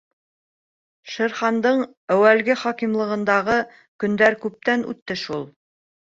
Шер Хандың әүәлге хакимлығында ғы көндәр күптән үтте шул.